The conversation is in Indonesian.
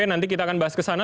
nanti kita akan bahas ke sana